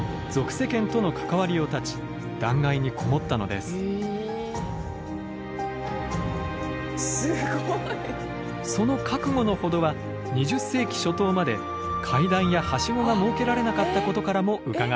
すごい！その覚悟の程は２０世紀初頭まで階段やハシゴが設けられなかったことからもうかがえます。